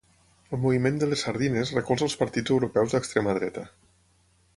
El moviment de les Sardines recolza els partits europeus d'extrema dreta.